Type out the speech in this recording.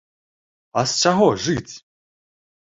А з чаго жыць!